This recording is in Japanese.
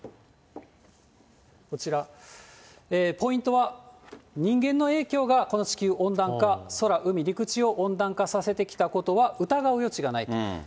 こちら、ポイントは、人間の影響がこの地球温暖化、空、海、陸地を温暖化させてきたことは疑う余地がないと。